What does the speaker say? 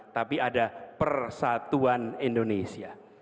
tapi ada persatuan indonesia